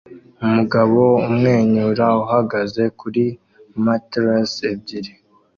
Umugabo umwenyura uhagaze kuri matelas ebyiri